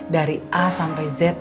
dari a sampai z